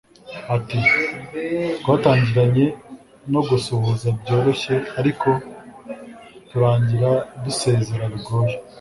ati twatangiranye no gusuhuza byoroshye ariko turangira dusezera bigoye